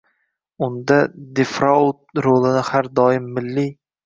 unda defraud rolini har doim milliy